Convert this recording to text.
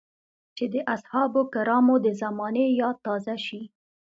چې د اصحابو کرامو د زمانې ياد تازه شي.